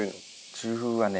中風はね